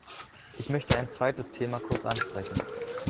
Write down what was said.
Ich möchte ein zweites Thema kurz ansprechen.